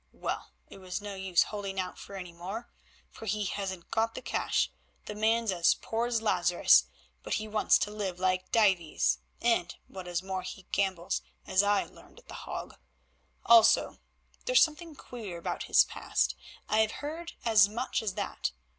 "Well, it was no use holding out for any more, for he hasn't got the cash. The man's as poor as Lazarus, but he wants to live like Dives, and, what is more, he gambles, as I learned at The Hague. Also, there's something queer about his past; I have heard as much as that.